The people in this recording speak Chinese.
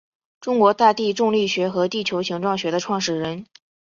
中国大地重力学和地球形状学的创始人。